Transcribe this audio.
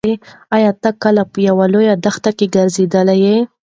ایا ته کله په یوه لویه دښته کې ګرځېدلی یې؟